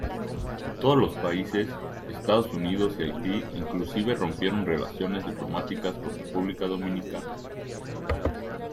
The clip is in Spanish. Todos los países, Estados Unidos y Haití inclusive rompieron relaciones diplomáticas con República Dominicana.